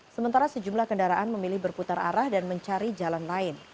sementara sejumlah kendaraan memilih berputar arah dan mencari jalan lain